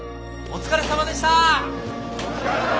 お疲れさまでした！